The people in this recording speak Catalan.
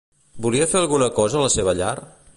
Volia fer alguna cosa a la seva llar?